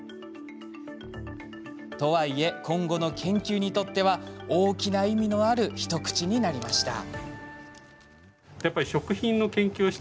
とはいえ、今後の研究にとっては大きな意味のある一口になりました。